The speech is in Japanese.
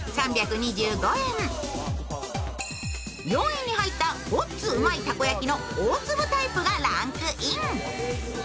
４位に入ったごっつ旨い大粒たこ焼の大粒タイプがランクイン。